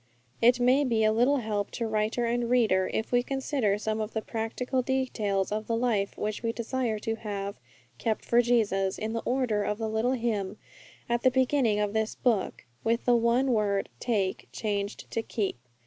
'_ It may be a little help to writer and reader if we consider some of the practical details of the life which we desire to have 'kept for Jesus' in the order of the little hymn at the beginning of this book, with the one word 'take' changed to 'keep.'